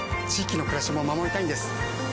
域の暮らしも守りたいんです。